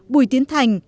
bùi tiến thành